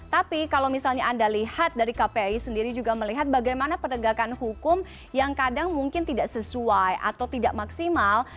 tapi kalau misalnya anda lihat dari kpi sendiri juga melihat bagaimana penegakan hukum yang kadang mungkin tidak sesuai atau tidak maksimal